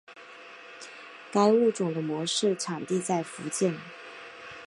该物种的模式产地在福建。